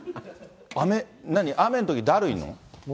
雨、何、雨のとき、だるいの？